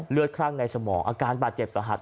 คลั่งในสมองอาการบาดเจ็บสาหัส